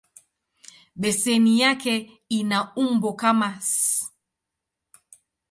Beseni yake ina umbo kama "S".